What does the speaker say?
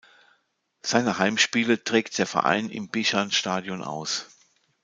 Seine Heimspiele trägt der Verein im Bishan-Stadion aus.